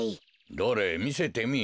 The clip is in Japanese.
どれみせてみい。